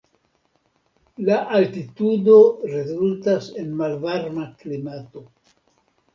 La altitudo rezultas en malvarma klimato.